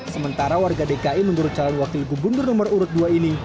sementara warga dki menurut calon wakil gubernur nomor urut dua ini